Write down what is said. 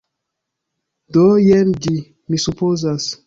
Do, jen ĝi. Mi supozas.